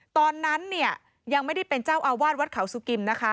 ตอนนั้นยังไม่ได้เป็นเจ้าอาวาสวัดเขาสุกิม